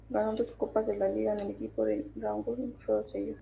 Ganó dos Copas de la Liga con el equipo del Languedoc-Rosellón.